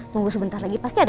tunggu sebentar lagi pasti ada